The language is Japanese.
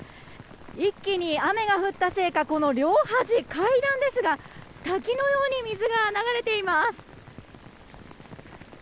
一気に雨が降ったせいか両端、階段ですが滝のように水が流れています。